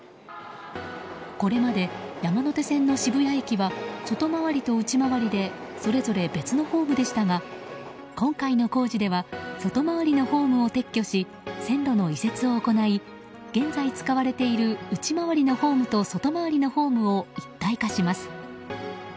これまで山手線の渋谷駅は外回りと内回りでそれぞれ別のホームでしたが今回の工事では外回りのホームを撤去し線路の移設を行い現在使われている内回りのホームと外回りのホームを一体化します。